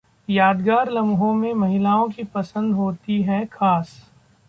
'यादगार' लम्हों में महिलाओं की पसंद होती है 'खास'